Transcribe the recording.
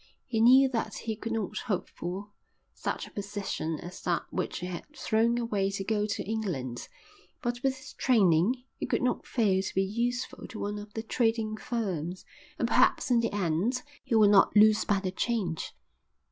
He knew that he could not hope for such a position as that which he had thrown away to go to England; but with his training he could not fail to be useful to one of the trading firms, and perhaps in the end he would not lose by the change.